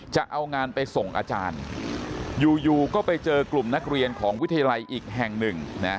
จะเอางานไปส่งอาจารย์อยู่ก็ไปเจอกลุ่มนักเรียนของวิทยาลัยอีกแห่งหนึ่ง